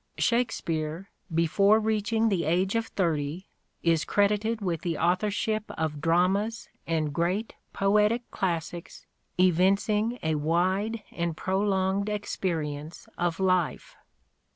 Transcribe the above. Shakspere, before reaching the age of thirty, is credited with the authorship of dramas and great poetic classics evincing a wide and prolonged experience of life.